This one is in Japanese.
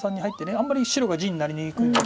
あんまり白が地になりにくいので。